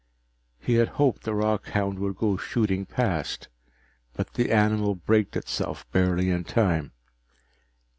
He had hoped the rockhound would go shooting past, but the animal braked itself barely in time.